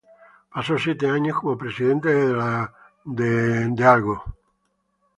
Pasó siete años como presidente de la Federal Home Loan Bank de Nueva York.